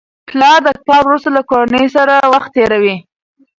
پلر د کار وروسته له کورنۍ سره وخت تېروي